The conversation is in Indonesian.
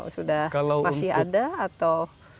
sudah masih ada atau